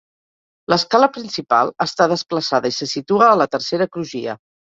L'escala principal està desplaçada i se situa a la tercera crugia.